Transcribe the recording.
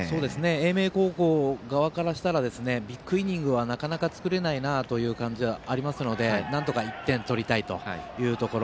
英明高校側からするとビッグイニングはなかなか作れないなという感じがありますのでなんとか１点取りたいというところ。